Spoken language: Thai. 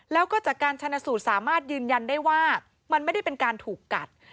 แล้วก็จากการชนะสูตรสามารถยืนยันได้ว่ามันไม่ได้เป็นการถูกกัด